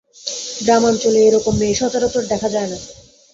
গ্রামাঞ্চলে এ-রকম মেয়ে সচরাচর দেখা যায় না।